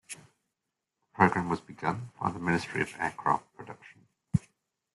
The program was begun by the Ministry of Aircraft Production.